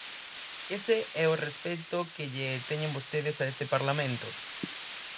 Ese é o respecto que lle teñen vostedes a este parlamento.